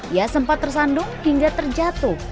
ia sempat tersandung hingga terjatuh